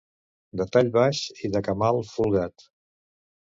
De tall baix i de camal folgat.